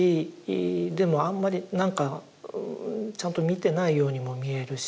あんまりなんかちゃんと見てないようにも見えるし。